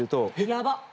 やばっ。